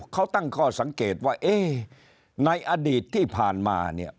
เขาตั้งข้อสังเกตว่าในอดีตที่ผ่านมาเนี่ย